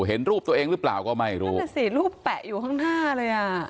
เห็นรูปตัวเองหรือเปล่าก็ไม่รู้นั่นสิรูปแปะอยู่ข้างหน้าเลยอ่ะ